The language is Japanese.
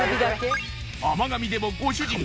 甘噛みでもご主人